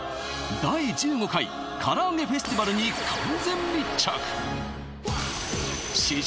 第１５回からあげフェスティバルに完全密着